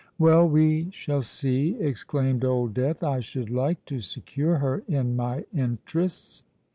"Well—we shall see," exclaimed Old Death. "I should like to secure her in my interests."